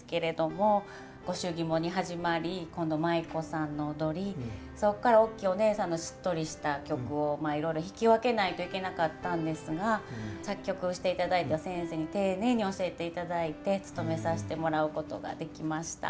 御祝儀物に始まり今度舞妓さんの踊りそっからおっきいおねえさんのしっとりした曲をいろいろ弾き分けないといけなかったんですが作曲をしていただいた先生に丁寧に教えていただいてつとめさせてもらうことができました。